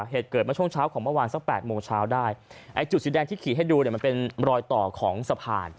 เหตุเกิดมาช่วงเช้าของเมื่อวานสักแปดโมงเช้าได้ไอ้จุดสีแดงที่ขี่ให้ดูเนี่ยมันเป็นรอยต่อของสะพาน